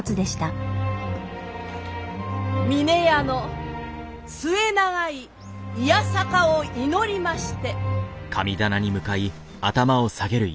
峰屋の末永い弥栄を祈りまして！